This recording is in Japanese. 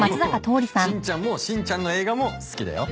しんちゃんもしんちゃんの映画も好きだよ。